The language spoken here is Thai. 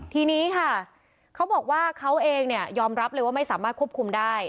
ทีนี้ค่ะเขาบอกว่าเขาเองเนี่ยยอมรับเลยว่าไม่สามารถควบคุมได้